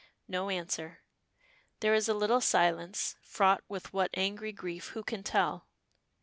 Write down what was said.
No answer. There is a little silence, fraught with what angry grief who can tell?